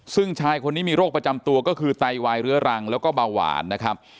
ซึ่งชายคนนี้มีโรคประจำตัวก็คือไตวายเรื้อรังแล้วก็เบาหวานนะครับ